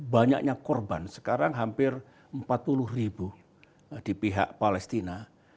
banyaknya korban sekarang hampir empat puluh ribu di pihak palestina